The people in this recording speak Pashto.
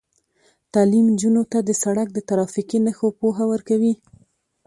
تعلیم نجونو ته د سړک د ترافیکي نښو پوهه ورکوي.